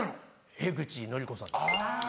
江口のりこさんです。